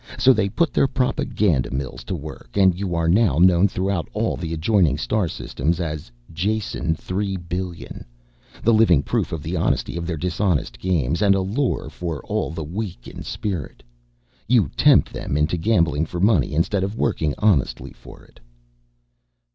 So they put their propaganda mills to work and you are now known throughout all the adjoining star systems as 'Jason 3 Billion', the living proof of the honesty of their dishonest games, and a lure for all the weak in spirit. You tempt them into gambling for money instead of working honestly for it."